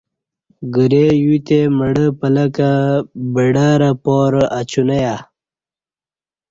گری یوتے مڑہ پلکہ بڈورہ پارہ اچونیہ